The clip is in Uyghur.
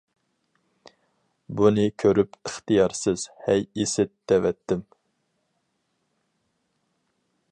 بۇنى كۆرۈپ ئىختىيارسىز «ھەي ئىسىت! » دەۋەتتىم.